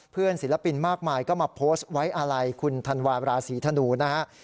ศิลปินมากมายก็มาโพสต์ไว้อาลัยคุณธันวาราศีธนูนะฮะ